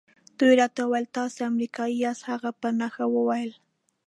دوی راته وویل تاسي امریکایی یاست. هغه په نښه وویل.